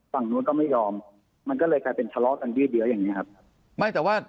ฝั่งนู้นก็ไม่ยอมมันก็เลยกลายเป็นทะเลาะกันดีอย่างนี้ครับ